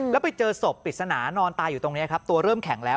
แล้วไปเจอศพปริศนานอนตายอยู่ตรงนี้ครับตัวเริ่มแข็งแล้ว